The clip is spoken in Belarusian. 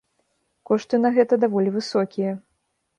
Кошты на гэта даволі высокія.